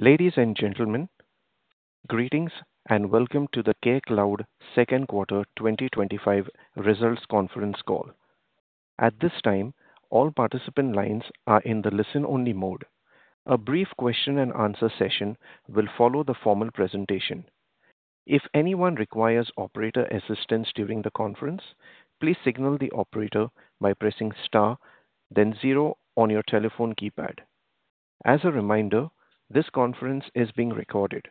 Ladies and gentlemen, greetings and welcome to the CareCloud Second Quarter 2025 Results Conference Call. At this time, all participant lines are in the listen-only mode. A brief question-and-answer session will follow the formal presentation. If anyone requires operator assistance during the conference, please signal the operator by pressing Star then zero on your telephone keypad. As a reminder, this conference is being recorded.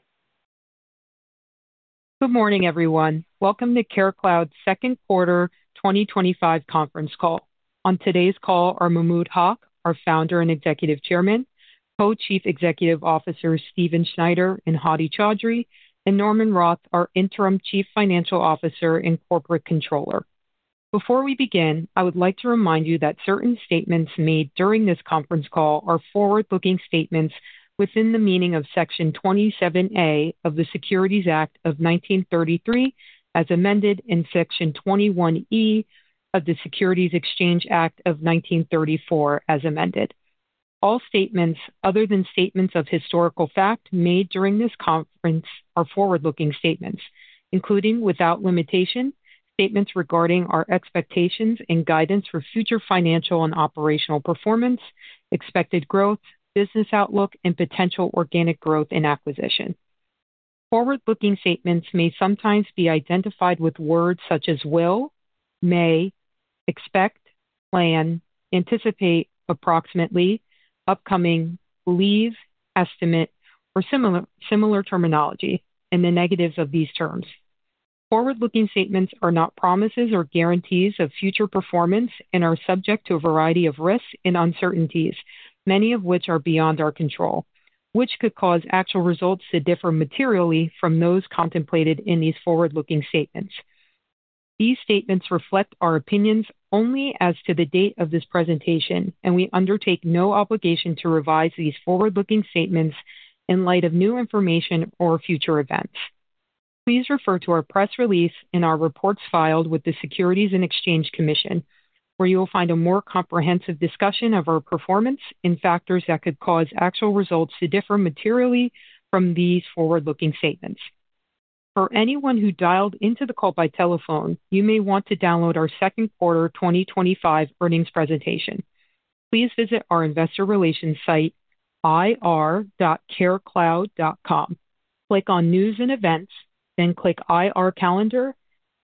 Good morning, everyone. Welcome to CareCloud's Second Quarter 2025 Conference Call. On today's call are Mahmud Haq, our Founder and Executive Chairman, Co-Chief Executive Officers Stephen Snyder and Hadi Chaudhry, and Norman Roth, our Interim Chief Financial Officer and Corporate Controller. Before we begin, I would like to remind you that certain statements made during this conference call are forward-looking statements within the meaning of Section 27(A) of the Securities Act of 1933 as amended and Section 21(E) of the Securities Exchange Act of 1934 as amended. All statements, other than statements of historical fact, made during this conference are forward-looking statements, including without limitation, statements regarding our expectations and guidance for future financial and operational performance, expected growth, business outlook, and potential organic growth and acquisition. Forward-looking statements may sometimes be identified with words such as "will," "may," "expect," "plan," "anticipate," "approximately," "upcoming," "believe," "estimate," or similar terminology, and the negatives of these terms. Forward-looking statements are not promises or guarantees of future performance and are subject to a variety of risks and uncertainties, many of which are beyond our control, which could cause actual results to differ materially from those contemplated in these forward-looking statements. These statements reflect our opinions only as to the date of this presentation, and we undertake no obligation to revise these forward-looking statements in light of new information or future events. Please refer to our press release and our reports filed with the Securities and Exchange Commission, where you will find a more comprehensive discussion of our performance and factors that could cause actual results to differ materially from these forward-looking statements. For anyone who dialed into the call by telephone, you may want to download our Second Quarter 2025 Earnings Presentation. Please visit our Investor Relations site, ir.carecloud.com, click on News and Events, then click IR Calendar,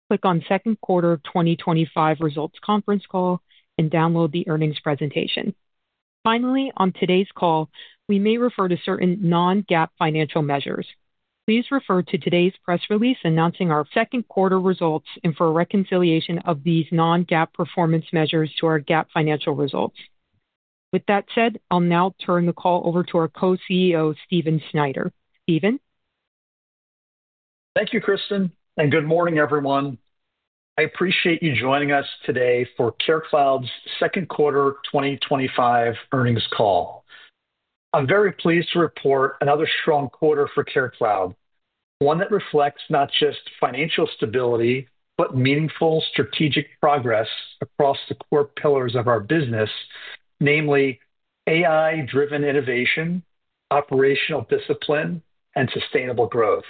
click on Second Quarter 2025 Results Conference Call, and download the earnings presentation. Finally, on today's call, we may refer to certain non-GAAP financial measures. Please refer to today's press release announcing our second quarter results and for reconciliation of these non-GAAP performance measures to our GAAP financial results. With that said, I'll now turn the call over to our Co-CEO, Stephen Snyder. Stephen? Thank you, Kristen, and good morning, everyone. I appreciate you joining us today for CareCloud's Second Quarter 2025 Earnings Call. I'm very pleased to report another strong quarter for CareCloud, one that reflects not just financial stability but meaningful strategic progress across the core pillars of our business, namely AI-driven innovation, operational discipline, and sustainable growth.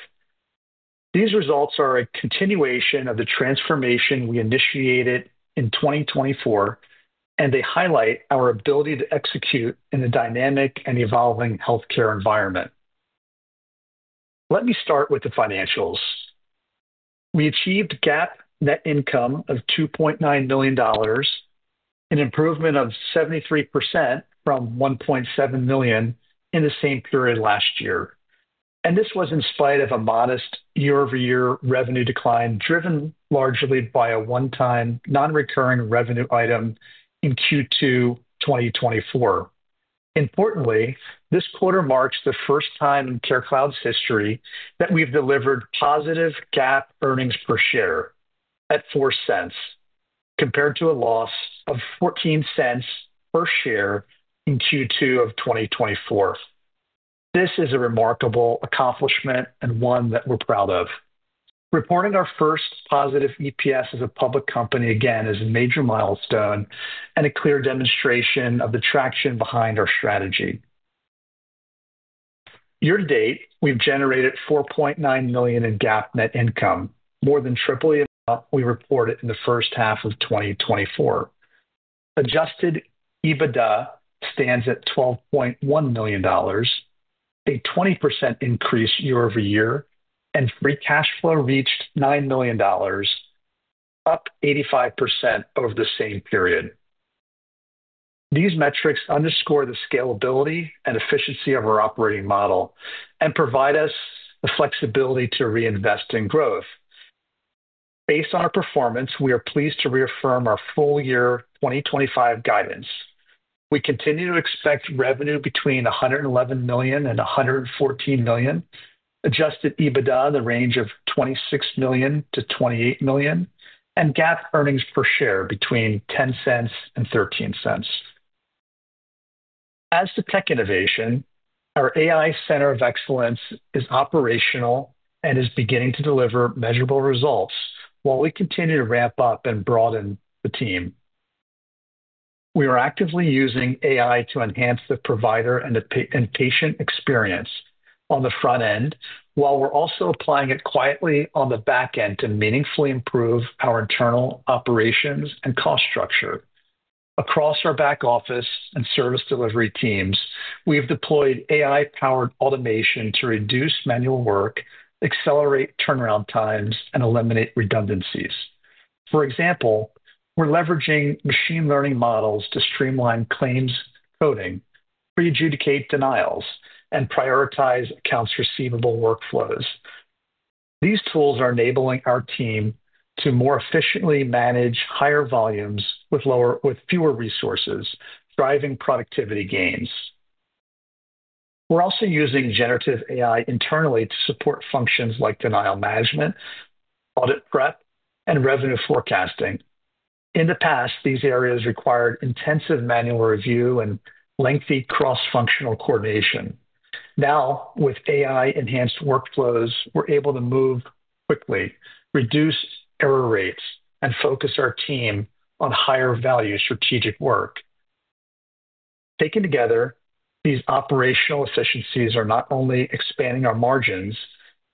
These results are a continuation of the transformation we initiated in 2024, and they highlight our ability to execute in a dynamic and evolving healthcare environment. Let me start with the financials. We achieved GAAP net income of $2.9 million, an improvement of 73% from $1.7 million in the same period last year. This was in spite of a modest year-over-year revenue decline, driven largely by a one-time non-recurring revenue item in Q2, 2024. Importantly, this quarter marks the first time in CareCloud's history that we've delivered positive GAAP earnings per share at $0.04 compared to a loss of $0.14 per share in Q2 of 2024. This is a remarkable accomplishment and one that we're proud of. Reporting our first positive EPS as a public company again is a major milestone and a clear demonstration of the traction behind our strategy. Year-to-date, we've generated $4.9 million in GAAP net income, more than triple what we reported in the first half of 2024. Adjusted EBITDA stands at $12.1 million, a 20% increase year-over-year, and free cash flow reached $9 million, up 85% over the same period. These metrics underscore the scalability and efficiency of our operating model and provide us the flexibility to reinvest in growth. Based on our performance, we are pleased to reaffirm our full-year 2025 guidance. We continue to expect revenue between $111 million and $114 million, adjusted EBITDA in the range of $26 million-$28 million, and GAAP earnings per share between $0.10 and $0.13. As to tech innovation, our AI Center of Excellence is operational and is beginning to deliver measurable results while we continue to ramp up and broaden the team. We are actively using AI to enhance the provider and patient experience on the front end, while we're also applying it quietly on the back end to meaningfully improve our internal operations and cost structure. Across our back office and service delivery teams, we've deployed AI-powered automation to reduce manual work, accelerate turnaround times, and eliminate redundancies. For example, we're leveraging machine learning models to streamline claims coding, prejudicate denials, and prioritize accounts receivable workflows. These tools are enabling our team to more efficiently manage higher volumes with fewer resources, driving productivity gains. We're also using generative AI internally to support functions like denial management, audit prep, and revenue forecasting. In the past, these areas required intensive manual review and lengthy cross-functional coordination. Now, with AI-enhanced workflows, we're able to move quickly, reduce error rates, and focus our team on higher-value strategic work. Taken together, these operational efficiencies are not only expanding our margins,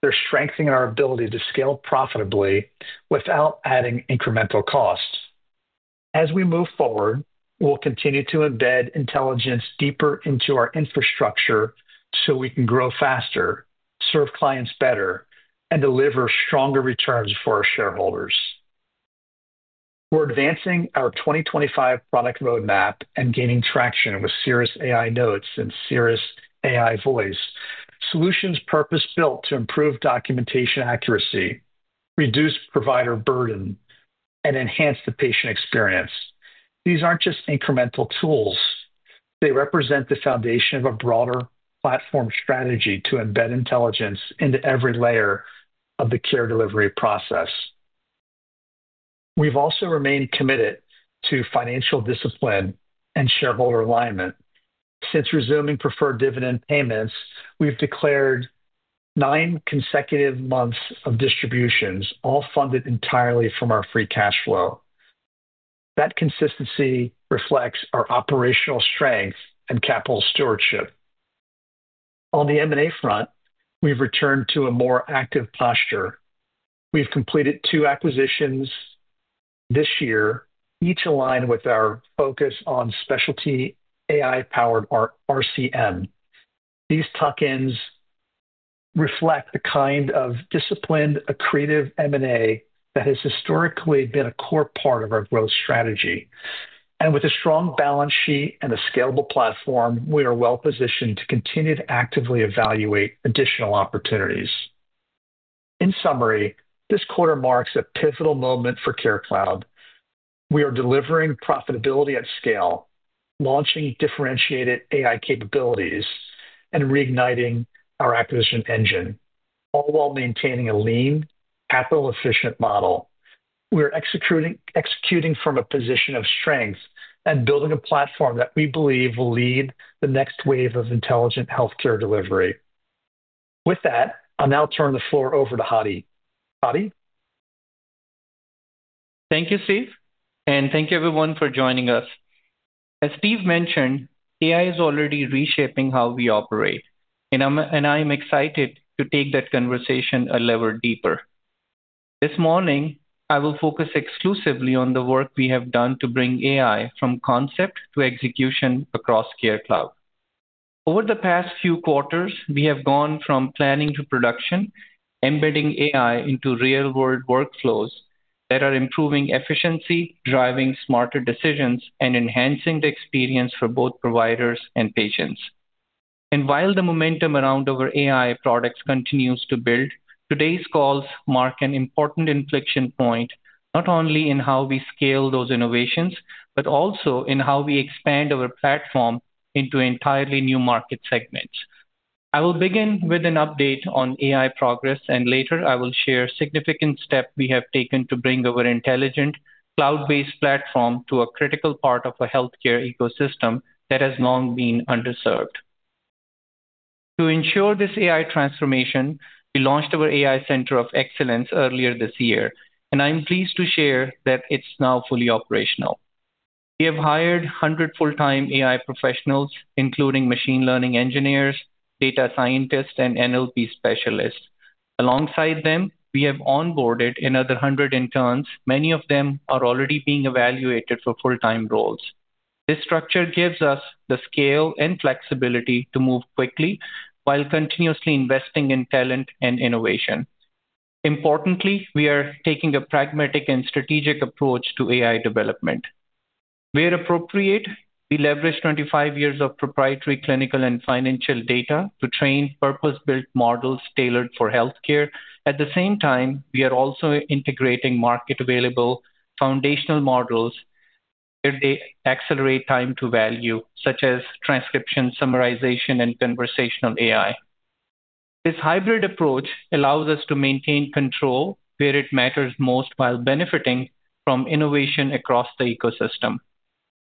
they're strengthening our ability to scale profitably without adding incremental costs. As we move forward, we'll continue to embed intelligence deeper into our infrastructure so we can grow faster, serve clients better, and deliver stronger returns for our shareholders. We're advancing our 2025 product roadmap and gaining traction with CirrusAI Notes and CirrusAI Voice, solutions purpose-built to improve documentation accuracy, reduce provider burden, and enhance the patient experience. These aren't just incremental tools, they represent the foundation of a broader platform strategy to embed intelligence into every layer of the care delivery process. We've also remained committed to financial discipline and shareholder alignment. Since resuming preferred dividend payments, we've declared nine consecutive months of distributions, all funded entirely from our free cash flow. That consistency reflects our operational strength and capital stewardship. On the M&A front, we've returned to a more active posture. We've completed two acquisitions this year, each aligned with our focus on specialty AI-powered RCM. These talk-ins reflect the kind of disciplined, accretive M&A that has historically been a core part of our growth strategy. With a strong balance sheet and a scalable platform, we are well-positioned to continue to actively evaluate additional opportunities. In summary, this quarter marks a pivotal moment for CareCloud. We are delivering profitability at scale, launching differentiated AI capabilities, and reigniting our acquisition engine, all while maintaining a lean, capital-efficient model. We are executing from a position of strength and building a platform that we believe will lead the next wave of intelligent healthcare delivery. With that, I'll now turn the floor over to Hadi. Hadi? Thank you, Steve, and thank you, everyone, for joining us. As Steve mentioned, AI is already reshaping how we operate, and I'm excited to take that conversation a level deeper. This morning, I will focus exclusively on the work we have done to bring AI from concept to execution across CareCloud. Over the past few quarters, we have gone from planning to production, embedding AI into real-world workflows that are improving efficiency, driving smarter decisions, and enhancing the experience for both providers and patients. While the momentum around our AI products continues to build, today's calls mark an important inflection point not only in how we scale those innovations but also in how we expand our platform into entirely new market segments. I will begin with an update on AI progress, and later, I will share a significant step we have taken to bring our intelligent cloud-based platform to a critical part of a healthcare ecosystem that has long been underserved. To ensure this AI transformation, we launched our AI Center of Excellence earlier this year, and I'm pleased to share that it's now fully operational. We have hired 100 full-time AI professionals, including machine learning engineers, data scientists, and NLP specialists. Alongside them, we have onboarded another 100 interns, many of whom are already being evaluated for full-time roles. This structure gives us the scale and flexibility to move quickly while continuously investing in talent and innovation. Importantly, we are taking a pragmatic and strategic approach to AI development. Where appropriate, we leverage 25 years of proprietary clinical and financial data to train purpose-built models tailored for healthcare. At the same time, we are also integrating market-available foundational models that accelerate time to value, such as transcription, summarization, and conversational AI. This hybrid approach allows us to maintain control where it matters most while benefiting from innovation across the ecosystem.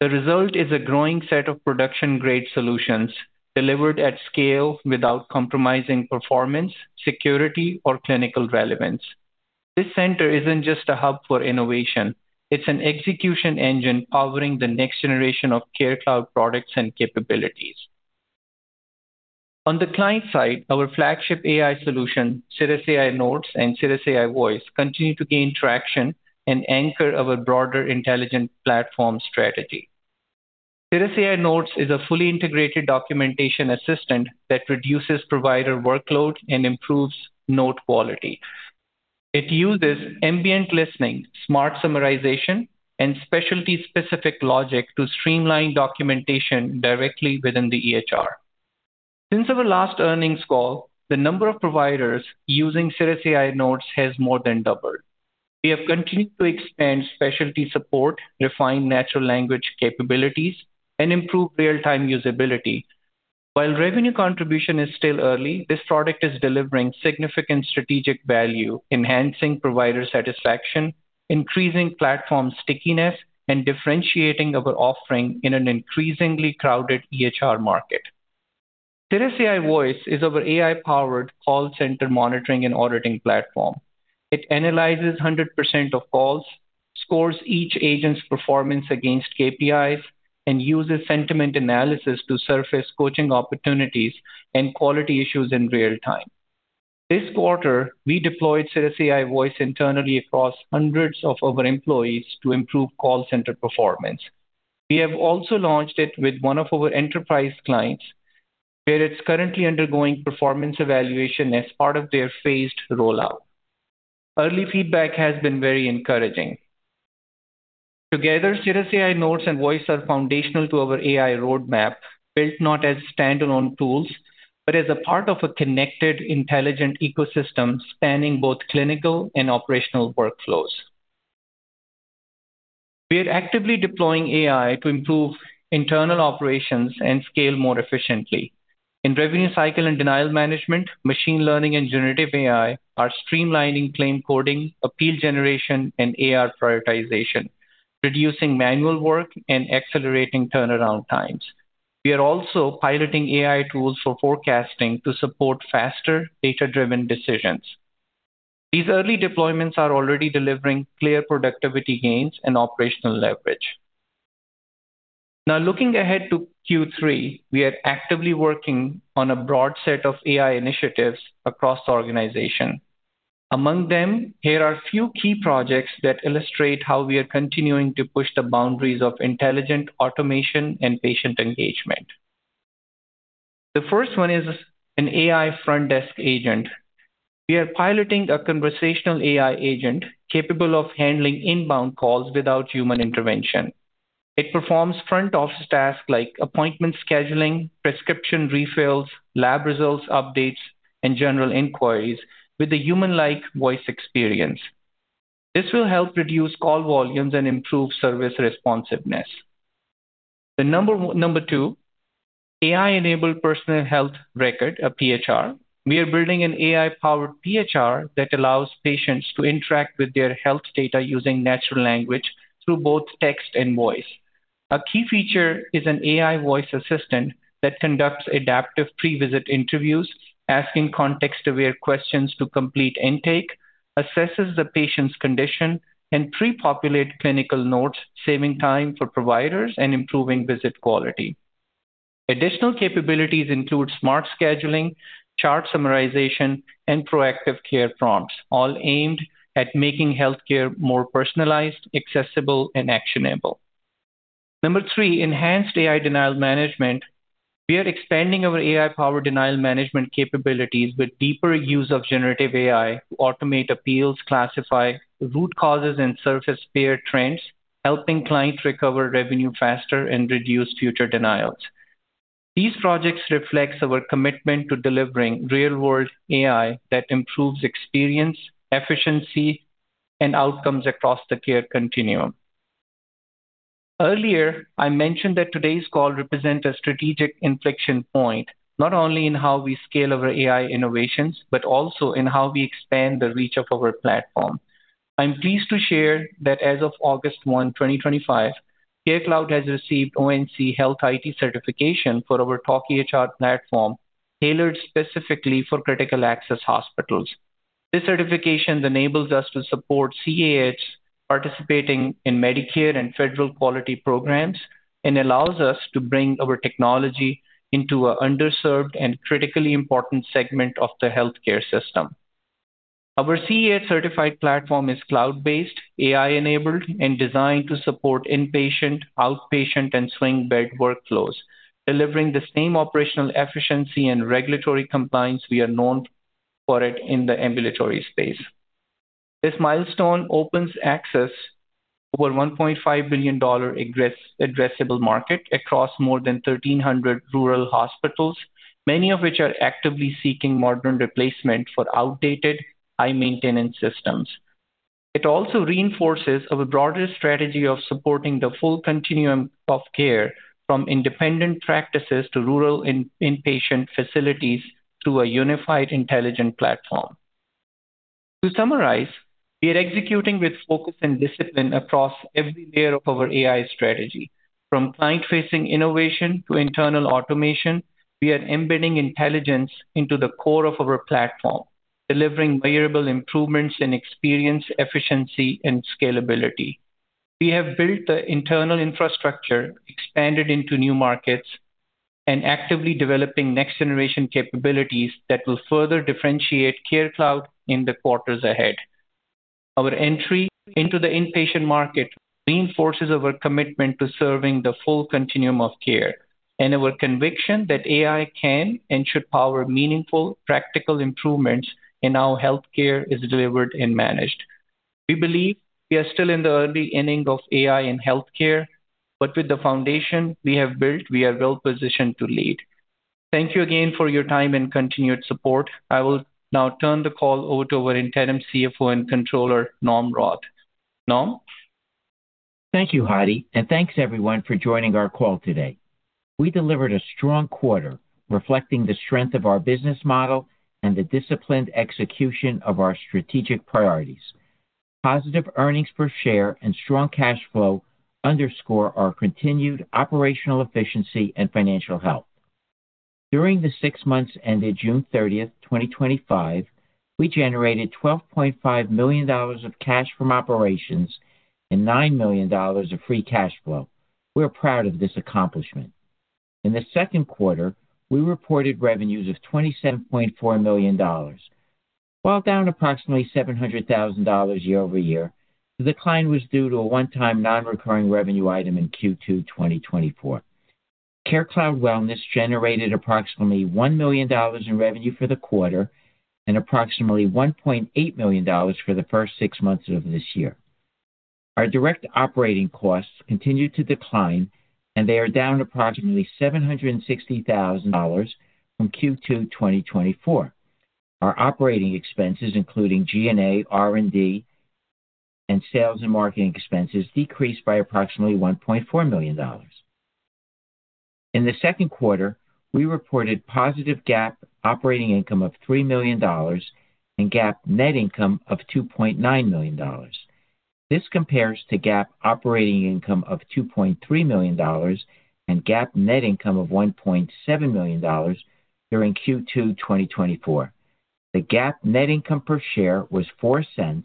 The result is a growing set of production-grade solutions delivered at scale without compromising performance, security, or clinical relevance. This center isn't just a hub for innovation; it's an execution engine powering the next generation of CareCloud products and capabilities. On the client side, our flagship AI solution, CirrusAI Notes and CirrusAI Voice, continue to gain traction and anchor our broader intelligent platform strategy. CirrusAI Notes is a fully integrated documentation assistant that reduces provider workload and improves note quality. It uses ambient listening, smart summarization, and specialty-specific logic to streamline documentation directly within the EHR. Since our last earnings call, the number of providers using CirrusAI Notes has more than doubled. We have continued to expand specialty support, refine natural language capabilities, and improve real-time usability. While revenue contribution is still early, this product is delivering significant strategic value, enhancing provider satisfaction, increasing platform stickiness, and differentiating our offering in an increasingly crowded EHR market. CirrusAI Voice is our AI-powered call center monitoring and auditing platform. It analyzes 100% of calls, scores each agent's performance against KPIs, and uses sentiment analysis to surface coaching opportunities and quality issues in real time. This quarter, we deployed CirrusAI Voice internally across hundreds of our employees to improve call center performance. We have also launched it with one of our enterprise clients, where it's currently undergoing performance evaluation as part of their phased rollout. Early feedback has been very encouraging. Together, CirrusAI Notes and Voice are foundational to our AI roadmap, built not as standalone tools but as a part of a connected intelligent ecosystem spanning both clinical and operational workflows. We are actively deploying AI to improve internal operations and scale more efficiently. In revenue cycle and denial management, machine learning and generative AI are streamlining claim coding, appeal generation, and AR prioritization, reducing manual work and accelerating turnaround times. We are also piloting AI tools for forecasting to support faster data-driven decisions. These early deployments are already delivering clear productivity gains and operational leverage. Now, looking ahead to Q3, we are actively working on a broad set of AI initiatives across the organization. Among them, here are a few key projects that illustrate how we are continuing to push the boundaries of intelligent automation and patient engagement. The first one is an AI front desk agent. We are piloting a conversational AI agent capable of handling inbound calls without human intervention. It performs front office tasks like appointment scheduling, prescription refills, lab results updates, and general inquiries with a human-like voice experience. This will help reduce call volumes and improve service responsiveness. Number two, AI-enabled personal health record, a PHR. We are building an AI-powered personal health record that allows patients to interact with their health data using natural language through both text and voice. A key feature is an AI voice assistant that conducts adaptive pre-visit interviews, asking context-aware questions to complete intake, assesses the patient's condition, and pre-populates clinical notes, saving time for providers and improving visit quality. Additional capabilities include smart scheduling, AI-driven chart summarization, and proactive care prompts, all aimed at making healthcare more personalized, accessible, and actionable. Number three, enhanced AI denial management. We are expanding our AI-powered denial management capabilities with deeper use of generative AI to automate appeals, classify root causes, and surface peer trends, helping clients recover revenue faster and reduce future denials. These projects reflect our commitment to delivering real-world AI that improves experience, efficiency, and outcomes across the care continuum. Earlier, I mentioned that today's call represents a strategic inflection point not only in how we scale our AI innovations but also in how we expand the reach of our platform. I'm pleased to share that as of August 1, 2025, CareCloud has received ONC Health IT certification for our talkEHR platform, tailored specifically for critical access hospitals. This certification enables us to support CAHs participating in Medicare and federal quality programs and allows us to bring our technology into an underserved and critically important segment of the healthcare system. Our CAH-certified platform is cloud-based, AI-enabled, and designed to support inpatient, outpatient, and swing bed workflows, delivering the same operational efficiency and regulatory compliance we are known for in the ambulatory space. This milestone opens access to a $1.5 billion addressable market across more than 1,300 rural hospitals, many of which are actively seeking modern replacement for outdated, high-maintenance systems. It also reinforces our broader strategy of supporting the full continuum of care, from independent practices to rural inpatient facilities to a unified intelligent platform. To summarize, we are executing with focus and discipline across every layer of our AI strategy. From client-facing innovation to internal automation, we are embedding intelligence into the core of our platform, delivering measurable improvements in experience, efficiency, and scalability. We have built the internal infrastructure, expanded into new markets, and actively developing next-generation capabilities that will further differentiate CareCloud in the quarters ahead. Our entry into the inpatient market reinforces our commitment to serving the full continuum of care and our conviction that AI can and should power meaningful, practical improvements in how healthcare is delivered and managed. We believe we are still in the early innings of AI in healthcare, but with the foundation we have built, we are well-positioned to lead. Thank you again for your time and continued support. I will now turn the call over to our Interim CFO and Controller, Norm Roth. Norm? Thank you, Hadi, and thanks, everyone, for joining our call today. We delivered a strong quarter, reflecting the strength of our business model and the disciplined execution of our strategic priorities. Positive earnings per share and strong cash flow underscore our continued operational efficiency and financial health. During the six months ended June 30th, 2025, we generated $12.5 million of cash from operations and $9 million of free cash flow. We're proud of this accomplishment. In the second quarter, we reported revenues of $27.4 million. While down approximately $700,000 year-over-year, the decline was due to a one-time non-recurring revenue item in Q2 2024. CareCloud Wellness generated approximately $1 million in revenue for the quarter and approximately $1.8 million for the first six months of this year. Our direct operating costs continued to decline, and they are down approximately $760,000 from Q2 2024. Our operating expenses, including G&A, R&D, and sales and marketing expenses, decreased by approximately $1.4 million. In the second quarter, we reported positive GAAP operating income of $3 million and GAAP net income of $2.9 million. This compares to GAAP operating income of $2.3 million and GAAP net income of $1.7 million during Q2 2024. The GAAP net income per share was $0.04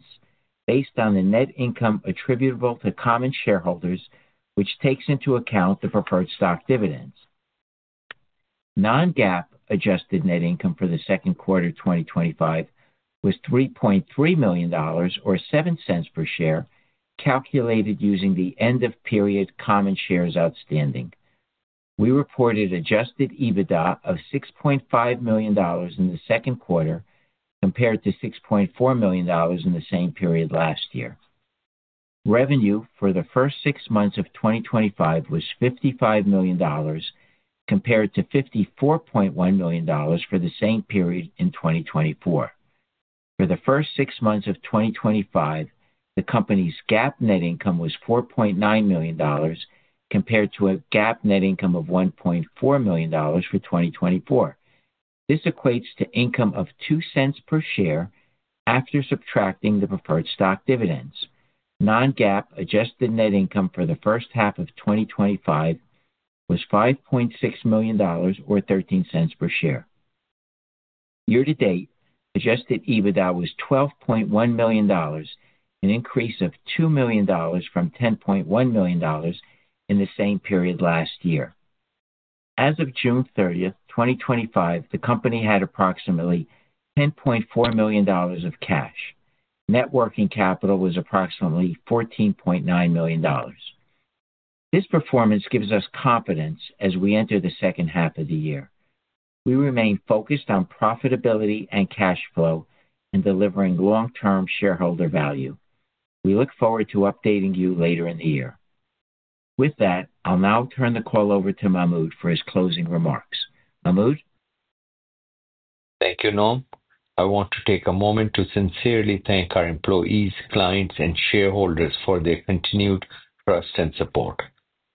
based on the net income attributable to common shareholders, which takes into account the preferred stock dividends. Non-GAAP adjusted net income for the second quarter 2025 was $3.3 million, or $0.07 per share, calculated using the end-of-period common shares outstanding. We reported adjusted EBITDA of $6.5 million in the second quarter compared to $6.4 million in the same period last year. Revenue for the first six months of 2025 was $55 million compared to $54.1 million for the same period in 2024. For the first six months of 2025, the company's GAAP net income was $4.9 million compared to a GAAP net income of $1.4 million for 2024. This equates to an income of $0.02 per share after subtracting the preferred stock dividends. Non-GAAP adjusted net income for the first half of 2025 was $5.6 million, or $0.13 per share. Year-to-date, adjusted EBITDA was $12.1 million, an increase of $2 million from $10.1 million in the same period last year. As of June 30th, 2025, the company had approximately $10.4 million of cash. Networking capital was approximately $14.9 million. This performance gives us confidence as we enter the second half of the year. We remain focused on profitability and cash flow and delivering long-term shareholder value. We look forward to updating you later in the year. With that, I'll now turn the call over to Mahmud for his closing remarks. Mahmud? Thank you, Norm. I want to take a moment to sincerely thank our employees, clients, and shareholders for their continued trust and support.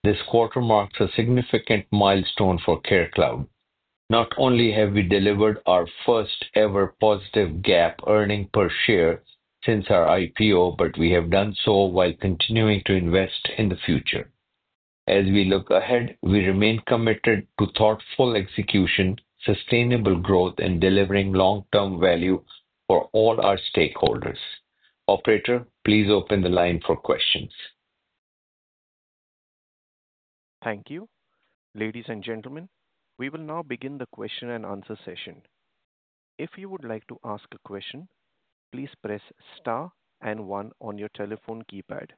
This quarter marks a significant milestone for CareCloud. Not only have we delivered our first-ever positive GAAP earnings per share since our IPO, but we have done so while continuing to invest in the future. As we look ahead, we remain committed to thoughtful execution, sustainable growth, and delivering long-term value for all our stakeholders. Operator, please open the line for questions. Thank you. Ladies and gentlemen, we will now begin the question-and-answer session. If you would like to ask a question, please press Star and one on your telephone keypad.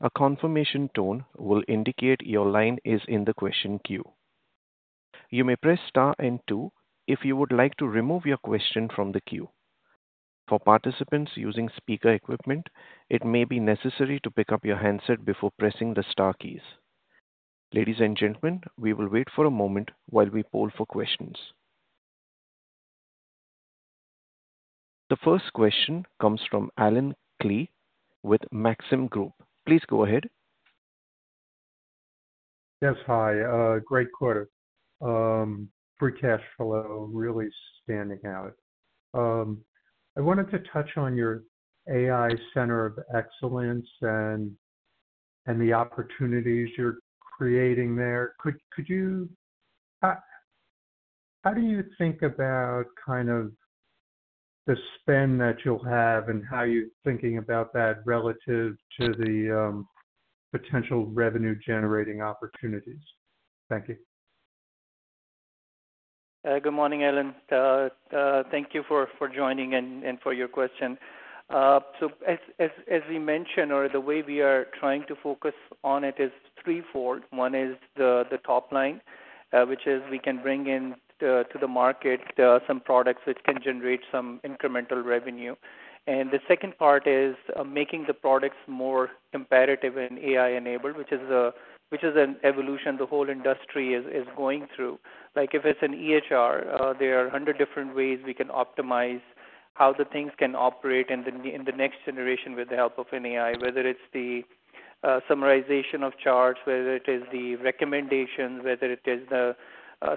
A confirmation tone will indicate your line is in the question queue. You may press Star and two if you would like to remove your question from the queue. For participants using speaker equipment, it may be necessary to pick up your handset before pressing the Star keys. Ladies and gentlemen, we will wait for a moment while we poll for questions. The first question comes from Allen Klee with Maxim Group. Please go ahead. Yes, hi. Great quarter. Free cash flow really is standing out. I wanted to touch on your AI Center of Excellence and the opportunities you're creating there. How do you think about kind of the spend that you'll have and how you're thinking about that relative to the potential revenue-generating opportunities? Thank you. Good morning, Allen. Thank you for joining and for your question. As we mentioned, or the way we are trying to focus on it is threefold. One is the top line, which is we can bring into the market some products which can generate some incremental revenue. The second part is making the products more competitive and AI-enabled, which is an evolution the whole industry is going through. If it's an EHR, there are 100 different ways we can optimize how things can operate in the next generation with the help of AI, whether it's the AI-driven chart summarization, whether it is the recommendations, whether it is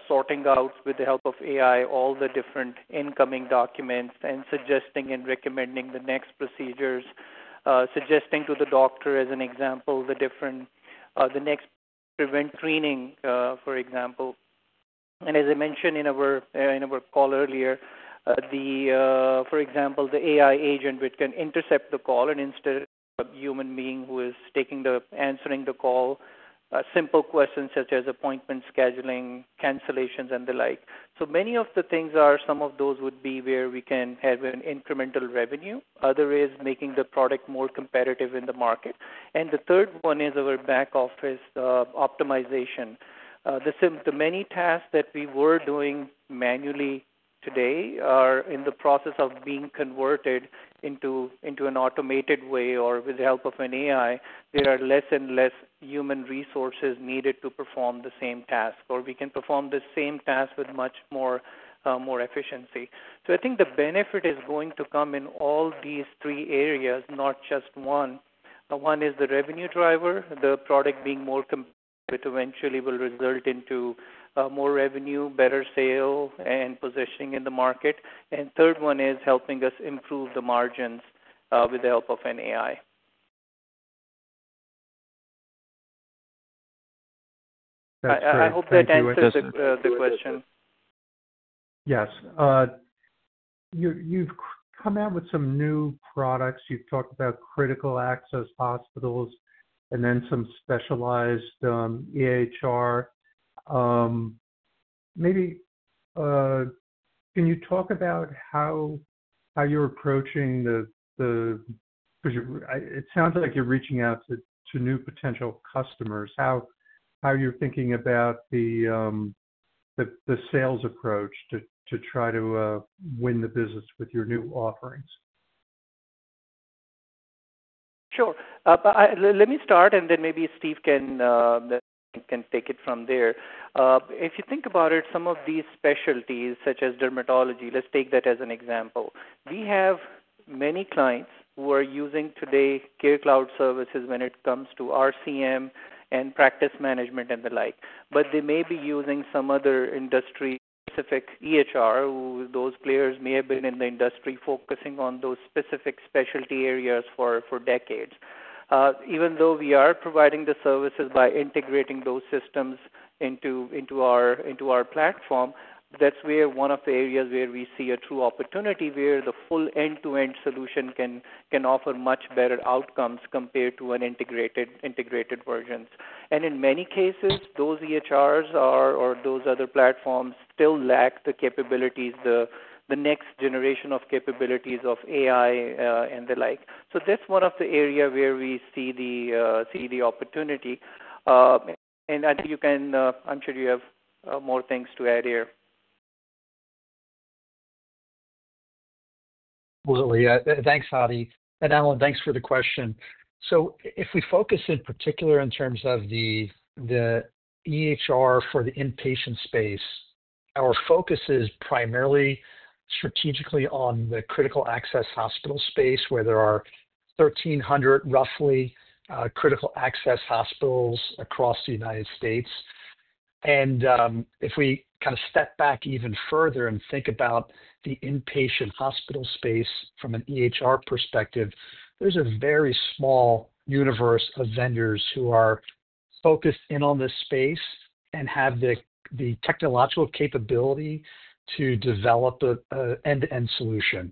sorting out with the help of AI all the different incoming documents and suggesting and recommending the next procedures, suggesting to the doctor, as an example, the next preventive screening, for example. As I mentioned in our call earlier, for example, the AI agent can intercept the call and instead of a human being who is answering the call, simple questions such as appointment scheduling, cancellations, and the like. Many of the things are some of those where we can have incremental revenue. Other is making the product more competitive in the market. The third one is our back office optimization. Many tasks that we were doing manually today are in the process of being converted into an automated way or with the help of AI. There are less and less human resources needed to perform the same task, or we can perform the same task with much more efficiency. I think the benefit is going to come in all these three areas, not just one. One is the revenue driver, the product being more competitive, which eventually will result in more revenue, better sales, and positioning in the market. The third one is helping us improve the margins with the help of AI. I hope that answers the question. Yes. You've come out with some new products. You've talked about critical access hospitals and then some specialized EHR. Maybe can you talk about how you're approaching that, because it sounds like you're reaching out to new potential customers, how you're thinking about the sales approach to try to win the business with your new offerings? Sure. Let me start, and then maybe Steve can take it from there. If you think about it, some of these specialties, such as dermatology, let's take that as an example. We have many clients who are using today CareCloud services when it comes to RCM and practice management and the like. They may be using some other industry-specific EHR, or those players may have been in the industry focusing on those specific specialty areas for decades. Even though we are providing the services by integrating those systems into our platform, that's one of the areas where we see a true opportunity, where the full end-to-end solution can offer much better outcomes compared to an integrated version. In many cases, those EHRs or those other platforms still lack the capabilities, the next generation of capabilities of AI and the like. That's one of the areas where we see the opportunity. I'm sure you have more things to add here. Absolutely. Thanks, Hadi. And Allen, thanks for the question. If we focus in particular in terms of the EHR for the inpatient space, our focus is primarily strategically on the critical access hospital space, where there are 1,300, roughly, critical access hospitals across the United States. If we kind of step back even further and think about the inpatient hospital space from an EHR perspective, there's a very small universe of vendors who are focused in on this space and have the technological capability to develop an end-to-end solution.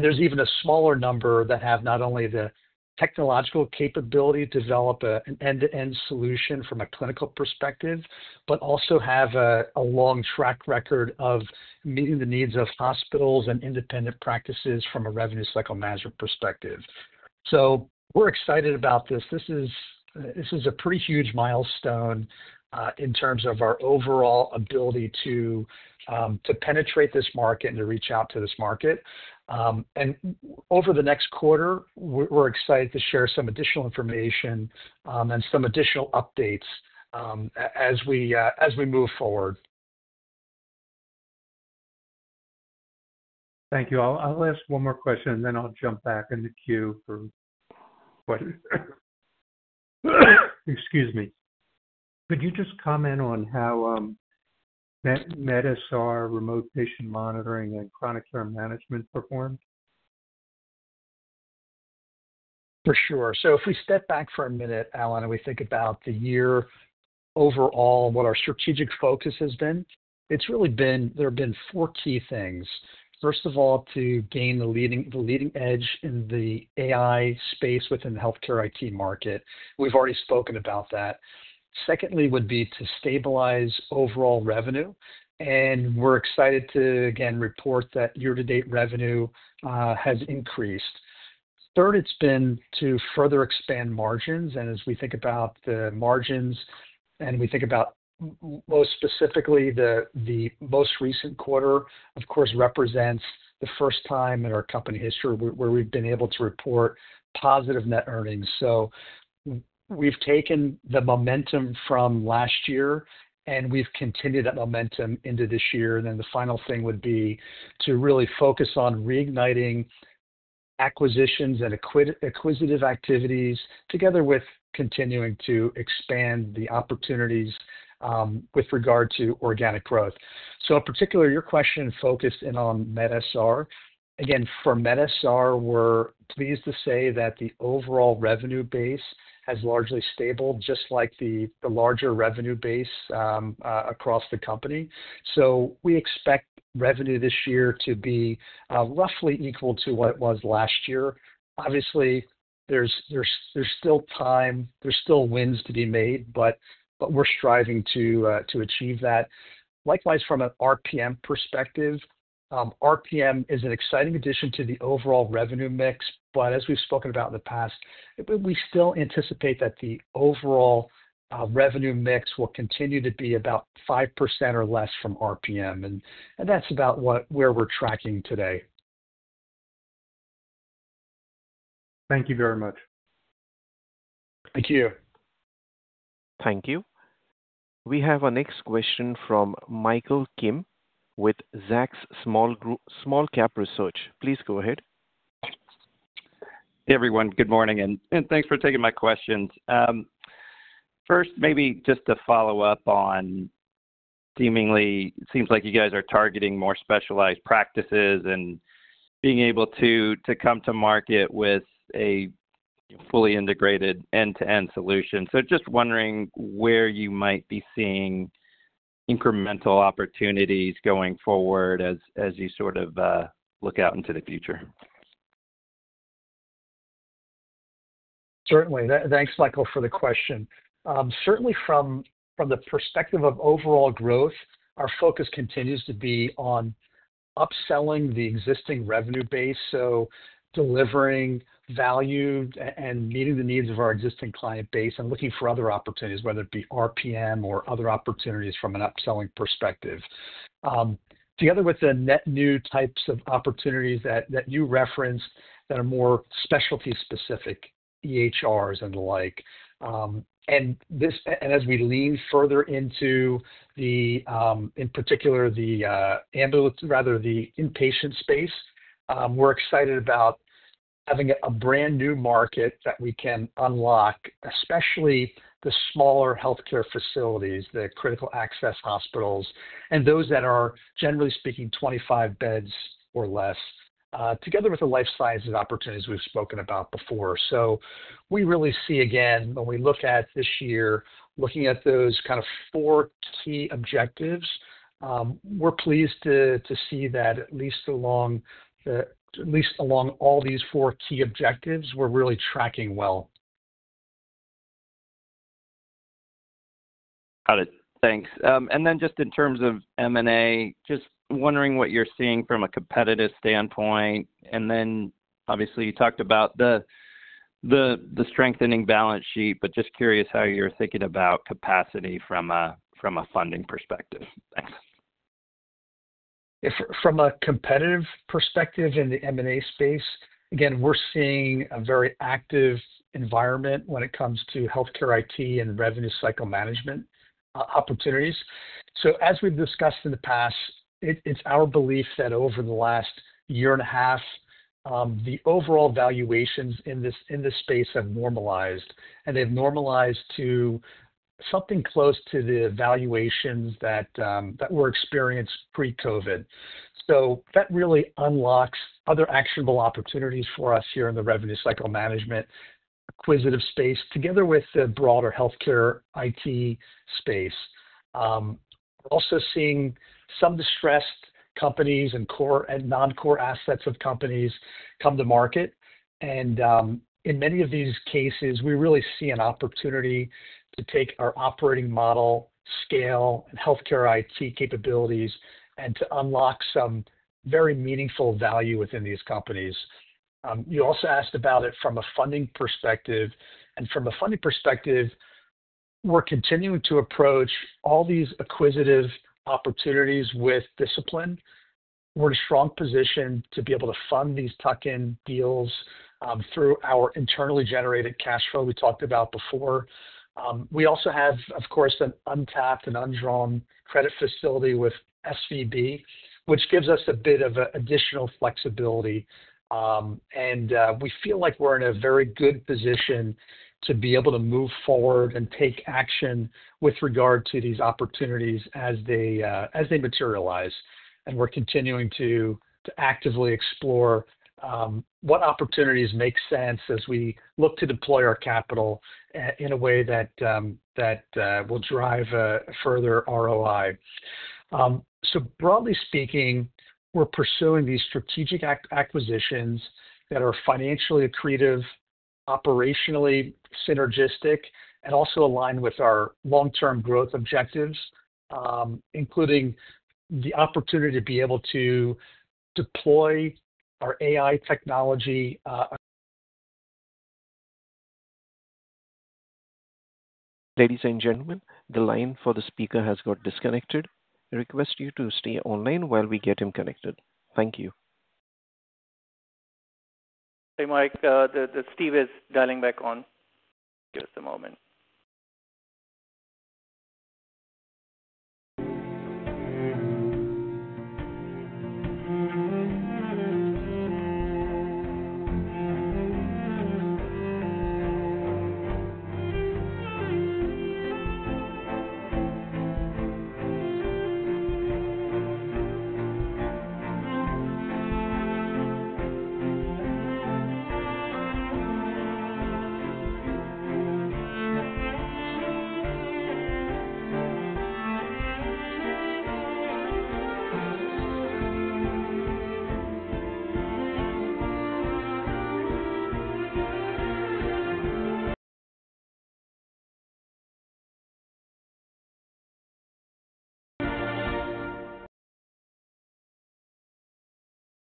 There's even a smaller number that have not only the technological capability to develop an end-to-end solution from a clinical perspective, but also have a long track record of meeting the needs of hospitals and independent practices from a revenue cycle management perspective. We're excited about this. This is a pretty huge milestone in terms of our overall ability to penetrate this market and to reach out to this market. Over the next quarter, we're excited to share some additional information and some additional updates as we move forward. Thank you. I'll ask one more question, and then I'll jump back in the queue for questions. Excuse me. Could you just comment on how MedAssar Remote Patient Monitoring, and Chronic Care Management perform? For sure. If we step back for a minute, Allen, and we think about the year overall and what our strategic focus has been, it's really been there have been four key things. First of all, to gain the leading edge in the AI space within the healthcare IT market. We've already spoken about that. Secondly, would be to stabilize overall revenue. We're excited to, again, report that year-to-date revenue has increased. Third, it's been to further expand margins. As we think about the margins and we think about most specifically the most recent quarter, of course, it represents the first time in our company history where we've been able to report positive net earnings. We've taken the momentum from last year, and we've continued that momentum into this year. The final thing would be to really focus on reigniting acquisitions and accretive M&A activities, together with continuing to expand the opportunities with regard to organic growth. In particular, your question focused in on MedAssar. Again, for MedAssar, we're pleased to say that the overall revenue base has largely stabilized, just like the larger revenue base across the company. We expect revenue this year to be roughly equal to what it was last year. Obviously, there's still time, there's still wins to be made, but we're striving to achieve that. Likewise, from an RPM perspective, RPM is an exciting addition to the overall revenue mix. As we've spoken about in the past, we still anticipate that the overall revenue mix will continue to be about 5% or less from RPM. That's about where we're tracking today. Thank you very much. Thank you. Thank you. We have our next question from Michael Kim with Zacks Small-Cap Research. Please go ahead. Hey, everyone. Good morning, and thanks for taking my questions. First, maybe just to follow up, it seems like you guys are targeting more specialized practices and being able to come to market with a fully integrated end-to-end solution. Just wondering where you might be seeing incremental opportunities going forward as you sort of look out into the future. Certainly. Thanks, Michael, for the question. Certainly, from the perspective of overall growth, our focus continues to be on upselling the existing revenue base, delivering value and meeting the needs of our existing client base and looking for other opportunities, whether it be RPM or other opportunities from an upselling perspective, together with the net new types of opportunities that you referenced that are more specialty-specific EHRs and the like. As we lean further into, in particular, the inpatient space, we're excited about having a brand new market that we can unlock, especially the smaller healthcare facilities, the critical access hospitals, and those that are, generally speaking, 25 beds or less, together with the life sciences opportunities we've spoken about before. We really see, again, when we look at this year, looking at those kind of four key objectives, we're pleased to see that at least along all these four key objectives, we're really tracking well. Got it. Thanks. In terms of M&A, just wondering what you're seeing from a competitive standpoint. Obviously, you talked about the strengthening balance sheet, but just curious how you're thinking about capacity from a funding perspective. Thanks. From a competitive perspective in the M&A space, again, we're seeing a very active environment when it comes to healthcare IT and revenue cycle management opportunities. As we've discussed in the past, it's our belief that over the last year and a half, the overall valuations in this space have normalized, and they've normalized to something close to the valuations that were experienced pre-COVID. That really unlocks other actionable opportunities for us here in the revenue cycle management acquisitive space, together with the broader healthcare IT space. We're also seeing some distressed companies and core and non-core assets of companies come to market. In many of these cases, we really see an opportunity to take our operating model, scale, and healthcare IT capabilities and to unlock some very meaningful value within these companies. You also asked about it from a funding perspective. From a funding perspective, we're continuing to approach all these acquisitive opportunities with discipline. We're in a strong position to be able to fund these tuck-in deals through our internally generated cash flow we talked about before. We also have, of course, an untapped and undrawn credit facility with SVB, which gives us a bit of additional flexibility. We feel like we're in a very good position to be able to move forward and take action with regard to these opportunities as they materialize. We're continuing to actively explore what opportunities make sense as we look to deploy our capital in a way that will drive a further ROI. Broadly speaking, we're pursuing these strategic acquisitions that are financially accretive, operationally synergistic, and also aligned with our long-term growth objectives, including the opportunity to be able to deploy our AI technology. Ladies and gentlemen, the line for the speaker has got disconnected. I request you to stay online while we get him connected. Thank you. Hey, Mike. Steve is dialing back on. Give us a moment.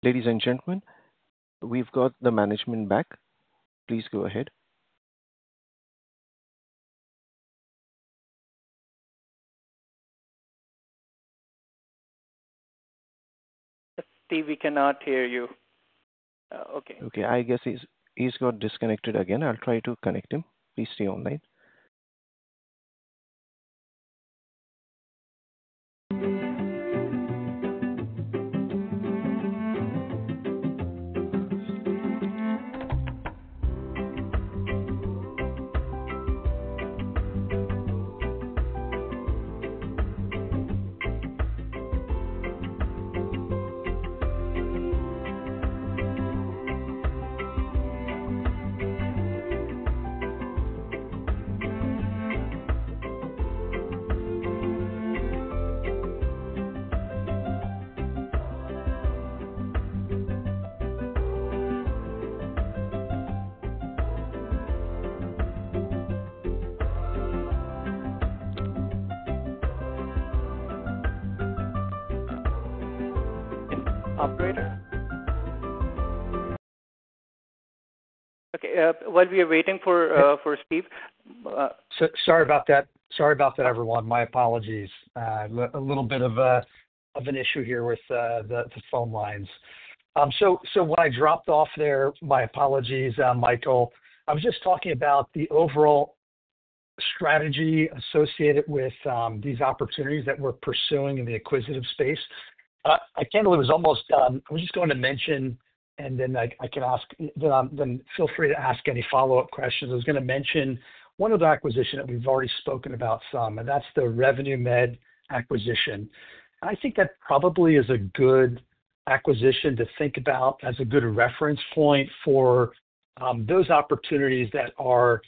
Ladies and gentlemen, we've got the management back. Please go ahead. Steve, we cannot hear you. Okay. Okay. I guess he's got disconnected again. I'll try to connect him. Please stay online. Operator? Okay, while we are waiting for Steve. Sorry about that, everyone. My apologies. A little bit of an issue here with the phone lines. What I dropped off there, my apologies, Michael. I was just talking about the overall strategy associated with these opportunities that we're pursuing in the acquisitive space. I can't believe it was almost done. I was just going to mention, and then feel free to ask any follow-up questions. I was going to mention one other acquisition that we've already spoken about some, and that's the RevenueMed acquisition. I think that probably is a good acquisition to think about as a good reference point for those opportunities that are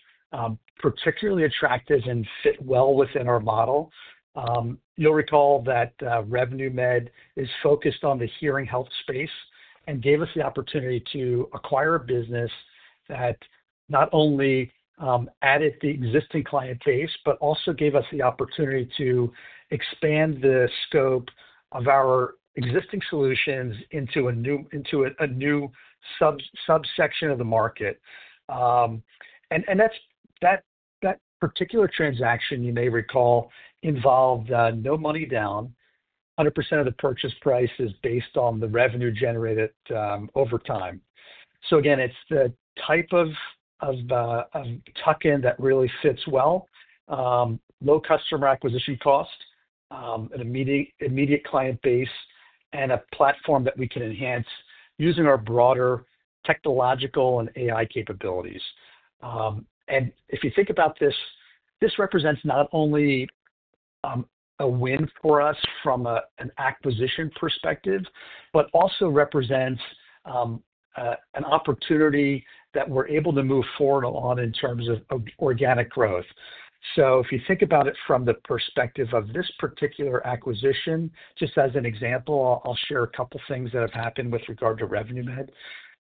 particularly attractive and fit well within our model. You'll recall that RevenueMed is focused on the hearing health space and gave us the opportunity to acquire a business that not only added the existing client base but also gave us the opportunity to expand the scope of our existing solutions into a new subsection of the market. That particular transaction, you may recall, involved no money down. 100% of the purchase price is based on the revenue generated over time. It's the type of tuck-in that really fits well: low customer acquisition cost, an immediate client base, and a platform that we can enhance using our broader technological and AI capabilities. If you think about this, this represents not only a win for us from an acquisition perspective but also represents an opportunity that we're able to move forward on in terms of organic growth. If you think about it from the perspective of this particular acquisition, just as an example, I'll share a couple of things that have happened with regard to RevenueMed.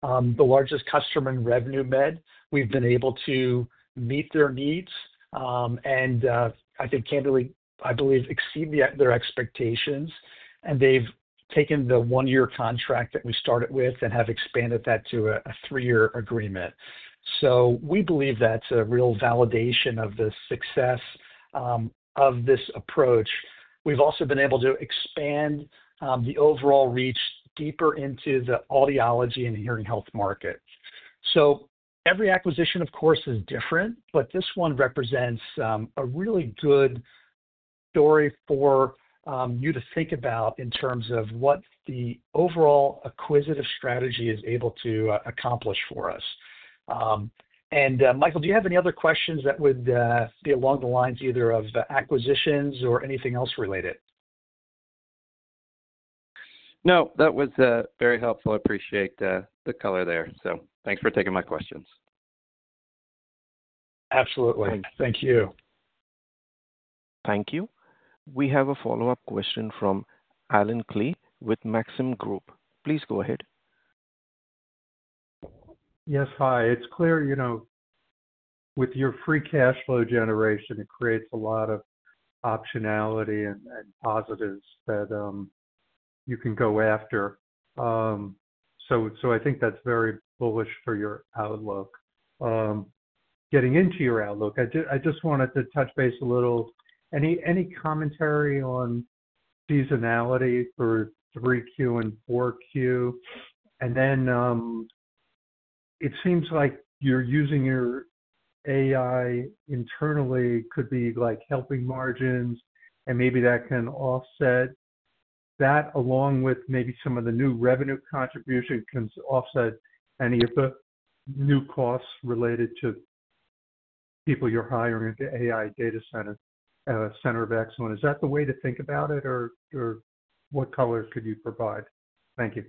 The largest customer in RevenueMed, we've been able to meet their needs, and I think candidly, I believe, exceed their expectations. They've taken the one-year contract that we started with and have expanded that to a three-year agreement. We believe that's a real validation of the success of this approach. We've also been able to expand the overall reach deeper into the audiology and hearing health market. Every acquisition, of course, is different, but this one represents a really good story for you to think about in terms of what the overall acquisitive strategy is able to accomplish for us. Michael, do you have any other questions that would be along the lines either of acquisitions or anything else related? That was very helpful. I appreciate the color there. Thanks for taking my questions. Absolutely. Thank you. Thank you. We have a follow-up question from Allen Klee with Maxim Group. Please go ahead. Yes, hi. It's clear, you know, with your free cash flow generation, it creates a lot of optionality and positives that you can go after. I think that's very bullish for your outlook. Getting into your outlook, I just wanted to touch base a little. Any commentary on seasonality for 3Q and 4Q? It seems like you're using your AI internally, could be like helping margins, and maybe that can offset that along with maybe some of the new revenue contributions can offset any of the new costs related to people you're hiring at the AI Center of Excellence. Is that the way to think about it, or what color could you provide? Thank you.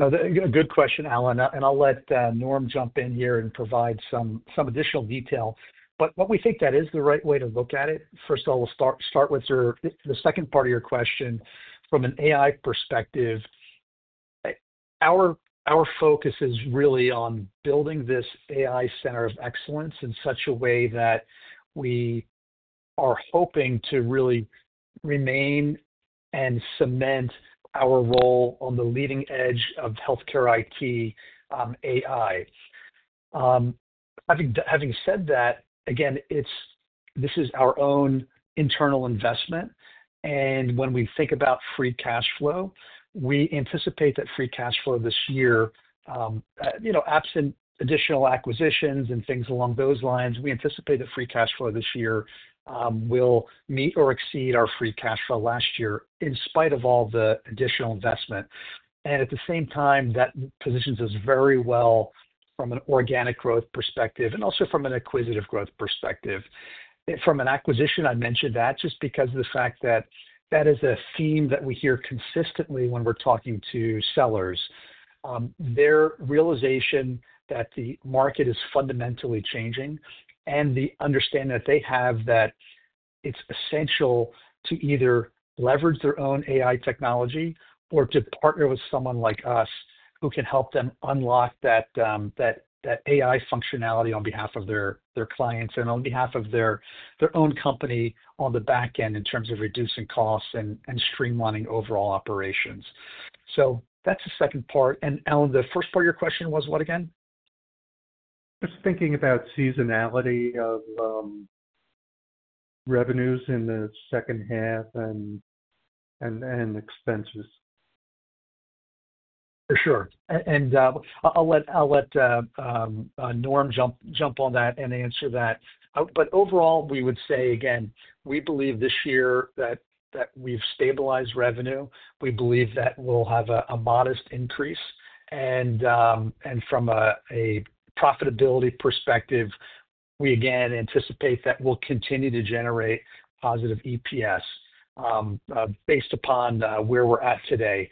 A good question, Allen. I'll let Norm jump in here and provide some additional detail. What we think is the right way to look at it. First of all, we'll start with the second part of your question. From an AI perspective, our focus is really on building this AI Center of Excellence in such a way that we are hoping to really remain and cement our role on the leading edge of healthcare IT AI. Having said that, this is our own internal investment. When we think about free cash flow, we anticipate that free cash flow this year, absent additional acquisitions and things along those lines, we anticipate that free cash flow this year will meet or exceed our free cash flow last year in spite of all the additional investment. At the same time, that positions us very well from an organic growth perspective and also from an acquisitive growth perspective. From an acquisition, I mention that just because that is a theme that we hear consistently when we're talking to sellers. Their realization that the market is fundamentally changing and the understanding that they have that it's essential to either leverage their own AI technology or to partner with someone like us who can help them unlock that AI functionality on behalf of their clients and on behalf of their own company on the back end in terms of reducing costs and streamlining overall operations. That's the second part. Allen, the first part of your question was what again? Just thinking about seasonality of revenues in the second half and expenses. For sure. I'll let Norm jump on that and answer that. Overall, we would say, again, we believe this year that we've stabilized revenue. We believe that we'll have a modest increase. From a profitability perspective, we again anticipate that we'll continue to generate positive EPS based upon where we're at today,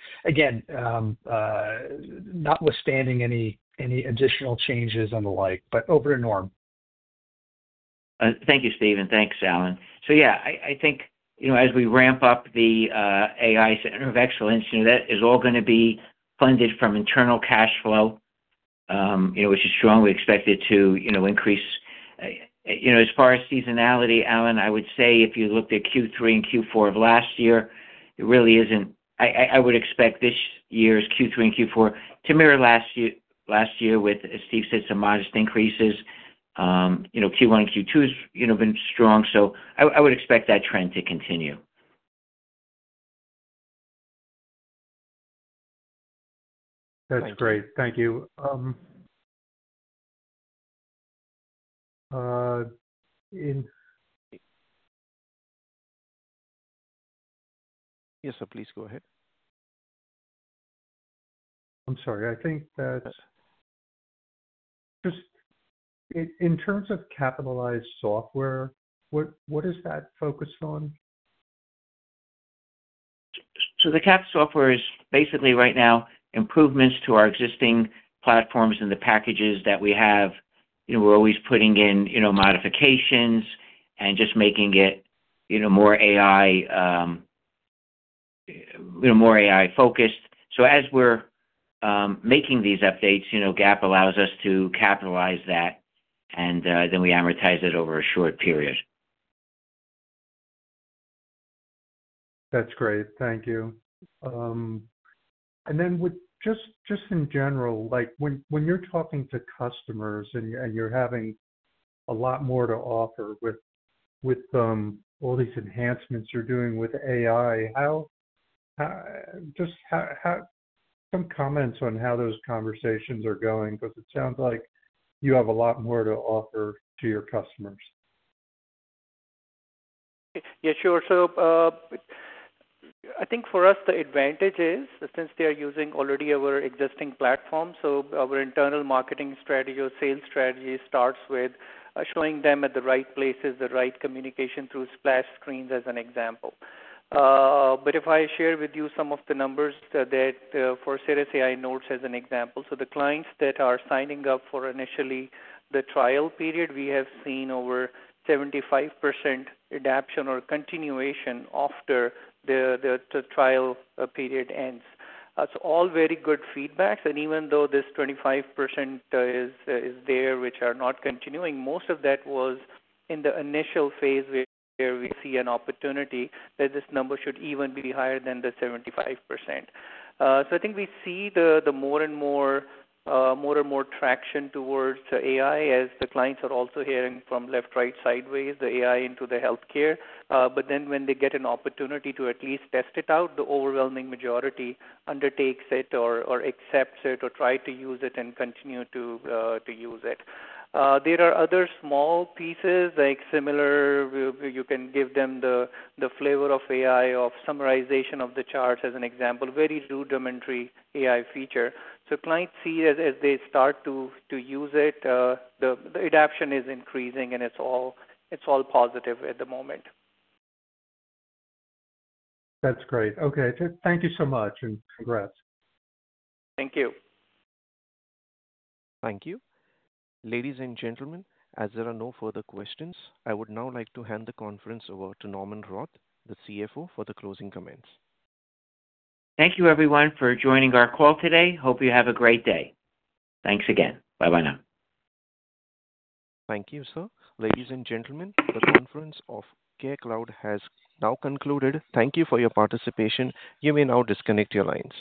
notwithstanding any additional changes and the like. Over to Norm. Thank you, Steve, and thanks, Allen. As we ramp up the AI Center of Excellence, that is all going to be funded from internal cash flow, which is strongly expected to increase. As far as seasonality, Allen, I would say if you looked at Q3 and Q4 of last year, it really isn't. I would expect this year's Q3 and Q4 to mirror last year, with, as Steve said, some modest increases. Q1 and Q2 have been strong. I would expect that trend to continue. That's great. Thank you. Yes, please go ahead. I'm sorry. I think that in terms of capitalized software, what is that focused on? The cap software is basically right now improvements to our existing platforms and the packages that we have. We're always putting in modifications and just making it more AI-focused. As we're making these updates, GAAP allows us to capitalize that, and then we amortize it over a short period. That's great. Thank you. In general, when you're talking to customers and you're having a lot more to offer with all these enhancements you're doing with AI, just some comments on how those conversations are going, because it sounds like you have a lot more to offer to your customers. Yeah, sure. I think for us, the advantage is since they are already using our existing platform, our internal marketing strategy or sales strategy starts with showing them at the right places, the right communication through splash screens as an example. If I share with you some of the numbers for CirrusAI Notes as an example, the clients that are signing up for initially the trial period, we have seen over 75% adoption or continuation after the trial period ends. All very good feedback. Even though this 25% is there, which are not continuing, most of that was in the initial phase where we see an opportunity that this number should even be higher than the 75%. I think we see more and more traction towards AI as the clients are also hearing from left, right, sideways, the AI into the healthcare. When they get an opportunity to at least test it out, the overwhelming majority undertakes it or accepts it or tries to use it and continues to use it. There are other small pieces like similar, you can give them the flavor of AI, of summarization of the charts as an example, very rudimentary AI feature. Clients see as they start to use it, the adoption is increasing, and it's all positive at the moment. That's great. Thank you so much, and congrats. Thank you. Thank you. Ladies and gentlemen, as there are no further questions, I would now like to hand the conference over to Norman Roth, the CFO, for the closing comments. Thank you, everyone, for joining our call today. Hope you have a great day. Thanks again. Bye-bye now. Thank you, sir. Ladies and gentlemen, the conference of CareCloud has now concluded. Thank you for your participation. You may now disconnect your lines.